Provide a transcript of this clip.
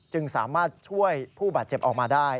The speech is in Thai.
จึงสามารถช่วยผู้บาดเจ็บออกมาได้